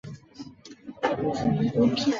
该游戏是魔兽争霸系列的第一部作品。